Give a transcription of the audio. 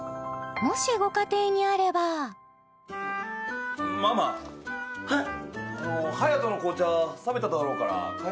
もしご家庭にあればはいえっ？